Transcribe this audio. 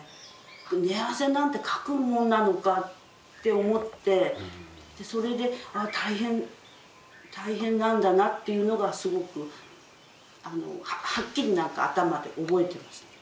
寝汗なんてかくもんなのかって思ってそれで大変なんだなっていうのがすごくはっきりなんか頭で覚えてますね。